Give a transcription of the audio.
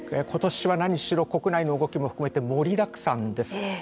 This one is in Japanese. ことしは何しろ国内も動きも含めて盛りだくさんです。